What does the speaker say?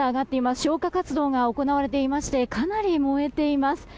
消火活動が行われていましてかなり燃えています。